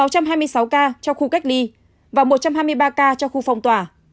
sáu trăm hai mươi sáu ca cho khu cách ly và một trăm hai mươi ba ca cho khu phòng tòa